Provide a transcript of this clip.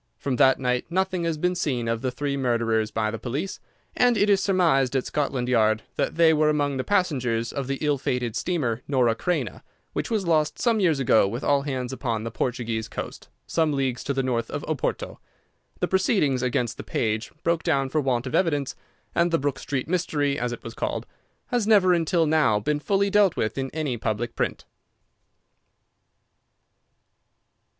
From that night nothing has been seen of the three murderers by the police, and it is surmised at Scotland Yard that they were among the passengers of the ill fated steamer Norah Creina, which was lost some years ago with all hands upon the Portuguese coast, some leagues to the north of Oporto. The proceedings against the page broke down for want of evidence, and the Brook Street Mystery, as it was called, has never until now been fully dealt with in any public print.